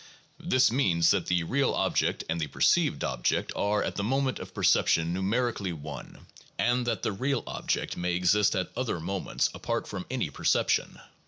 This means that the real object and the perceived object are at the moment of perception numerically one, and that the real object may exist at other moments apart from any perception."